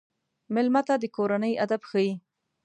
مېلمه ته د کورنۍ ادب ښيي.